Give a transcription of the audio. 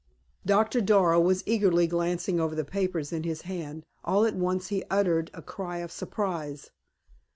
Doctor Darrow was eagerly glancing over the papers in his hand. All at once he uttered a cry of surprise.